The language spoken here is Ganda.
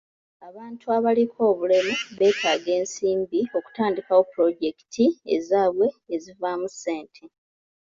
Abantu abaliko obulemu beetaaga ensimbi okutandikawo pulojekiti ezaabwe ezivaamu ssente.